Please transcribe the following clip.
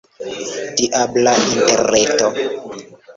Diabla Interreto!